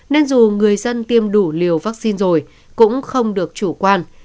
nên dù người dân tiêm đủ liều vaccine rồi cũng không được chủ quan